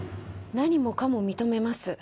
何もかも認めます。